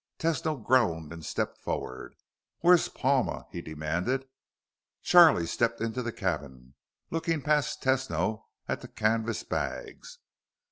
Tesno groaned and stepped forward. "Where's Palma?" he demanded. Charlie stepped into the cabin, looking past Tesno at the canvas bags.